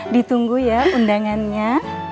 ditunggu ya undangannya